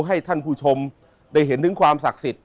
ให้ท่านผู้ชมได้เห็นถึงความศักดิ์สิทธิ